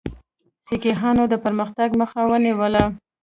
سیکهانو د پرمختګ مخه ونیوله.